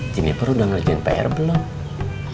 cinepul udah ngelajarin pr belum